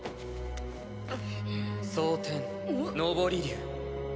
蒼天・昇り龍。